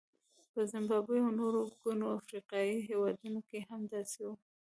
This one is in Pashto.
په زیمبابوې او نورو ګڼو افریقایي هېوادونو کې هم داسې وو.